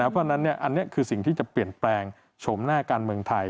เพราะฉะนั้นอันนี้คือสิ่งที่จะเปลี่ยนแปลงโฉมหน้าการเมืองไทย